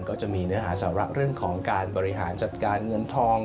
ก็จะมีเนื้อหาสาระเรื่องของการบริหารจัดการเงินทอง